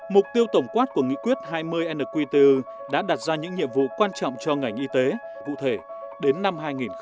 mục tiêu tổng quát của nghị quyết hai mươi nqtu đã đặt ra những nhiệm vụ quan trọng cho ngành y tế cụ thể đến năm hai nghìn ba mươi